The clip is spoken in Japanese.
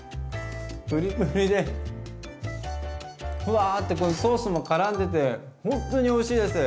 プリプリでふわってこのソースもからんでてほんとにおいしいです。